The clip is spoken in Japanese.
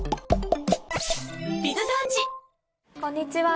こんにちは。